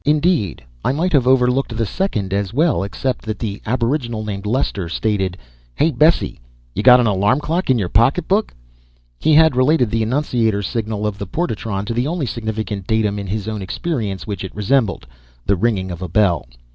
Indeed, I might have overlooked the second as well except that the aboriginal named Lester stated: "Hey, Bessie. Ya got an alarm clock in ya pocketbook?" He had related the annunciator signal of the portatron to the only significant datum in his own experience which it resembled, the ringing of a bell.